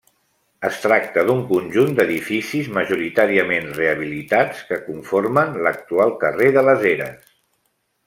Es tracta d'un conjunt d'edificis majoritàriament rehabilitats, que conformen l'actual carrer de les Eres.